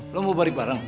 lo mau bari barang